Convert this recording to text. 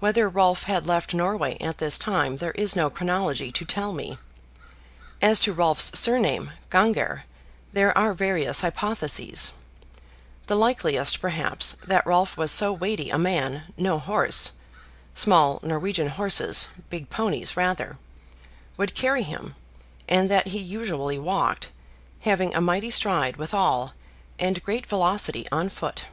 Whether Rolf had left Norway at this time there is no chronology to tell me. As to Rolf's surname, "Ganger," there are various hypotheses; the likeliest, perhaps, that Rolf was so weighty a man no horse (small Norwegian horses, big ponies rather) could carry him, and that he usually walked, having a mighty stride withal, and great velocity on foot.